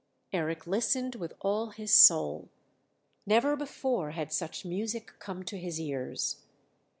Eric listened with all his soul; never before had such music come to his ears.